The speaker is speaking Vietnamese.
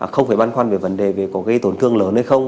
không phải băn khoăn về vấn đề về có gây tổn thương lớn hay không